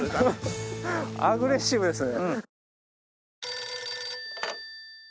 アグレッシブですね。